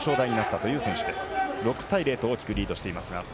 ライヒムトは６対０と大きくリードしています。